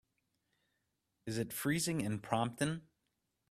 is it freezing in Prompton